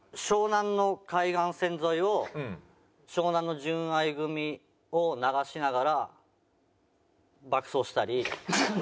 湘南の海岸線沿いを湘南の『純愛組！』を流しながら爆走したり。